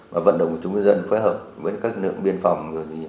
và vận động chúng dân phối hợp với các nước biên phòng